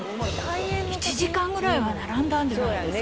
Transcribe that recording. １時間ぐらいは並んだんじゃないですかね。